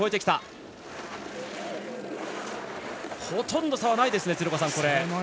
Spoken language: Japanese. ほとんど差はないですね。